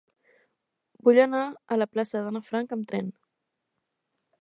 Vull anar a la plaça d'Anna Frank amb tren.